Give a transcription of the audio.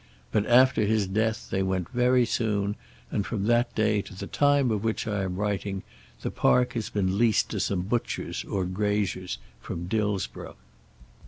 But after his death they went very soon, and from that day to the time of which I am writing, the park has been leased to some butchers or graziers from Dillsborough.